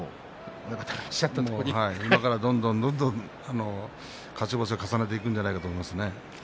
今から、どんどんどんどん勝ち星を重ねていくんじゃないかと思いますね。